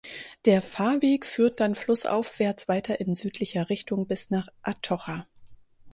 Der Fahrweg führt dann flussaufwärts weiter in südlicher Richtung bis nach Atocha.